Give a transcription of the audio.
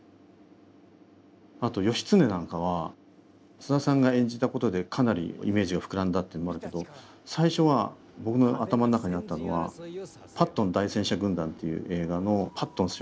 あと義経なんかは菅田さんが演じたことでかなりイメージが膨らんだっていうのもあるけど最初は僕の頭の中にあったのは「パットン大戦車軍団」っていう映画のパットン将軍。